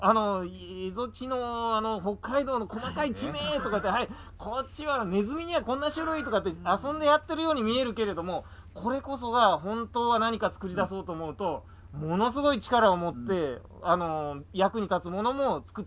そう蝦夷地の北海道の細かい地名とかってこっちはネズミにはこんな種類とかって遊んでやってるように見えるけれどもこれこそが本当は何か作り出そうと思うとものすごい力を持って役に立つものも作ってしまうと。